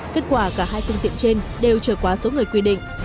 kết quả cả hai phương tiện trên đều trở quá số người quy định